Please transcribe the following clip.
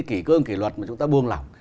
kỷ cương kỷ luật mà chúng ta buông lỏng